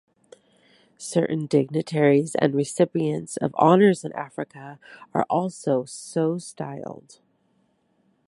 Certain dignitaries and recipients of honours in Africa are also so styled.